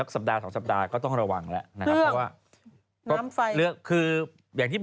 สัปดาห์๒สัปดาห์ก็ต้องระวังแล้ว